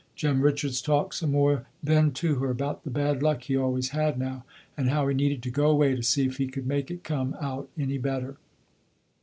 Jem Richards talked some more then to her, about the bad luck he always had now, and how he needed to go away to see if he could make it come out any better.